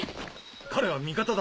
彼は味方だ。